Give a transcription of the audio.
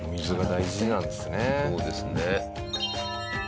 そうですね。